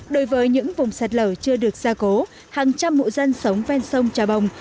đối với những vùng sạt lở chưa được gia cố hàng trăm hộ dân sống ven sông trà bồng